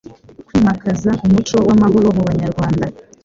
kwimakaza umuco w amahoro mu banyarwanda